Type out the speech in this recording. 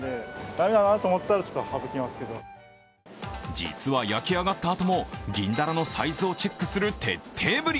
実は、焼き上がったあとも銀だらのサイズをチェックする徹底ぶり。